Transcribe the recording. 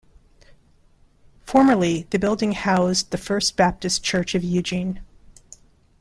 Formerly, the building housed the First Baptist Church of Eugene.